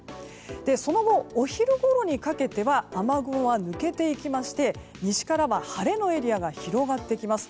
その後、お昼ごろにかけては雨雲は抜けていきまして西からは晴れのエリアが広がってきます。